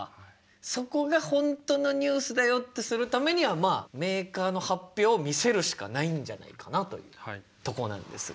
そこが本当のニュースだよってするためにはまあメーカーの発表を見せるしかないんじゃないかなというとこなんですが。